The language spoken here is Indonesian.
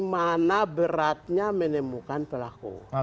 bagaimana beratnya menemukan pelaku